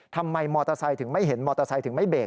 ทำไมมอเตอร์ไซด์ถึงไม่เห็นบาร์โทรไซด์ถึงไม่เปรก